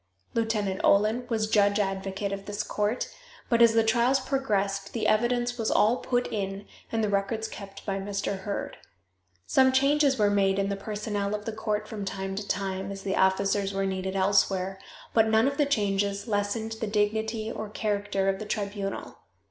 Lieutenant Olin was judge advocate of this court, but as the trials progressed the evidence was all put in and the records kept by Mr. Heard. Some changes were made in the personnel of the court from time to time as the officers were needed elsewhere, but none of the changes lessened the dignity or character of the tribunal.